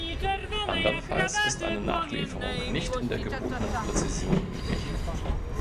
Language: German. Andernfalls ist eine Nachlieferung nicht in der gebotenen Präzision möglich.